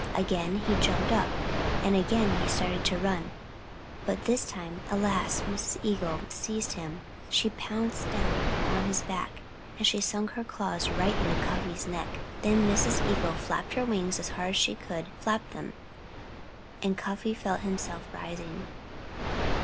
Again he jumped up. And again he started to run. But this time, alas! Mrs. Eagle seized him. She pounced down upon his back; and she sunk her claws right into Cuffy's neck. Then Mrs. Eagle flapped her wings as hard as she could flap them. And Cuffy felt himself rising.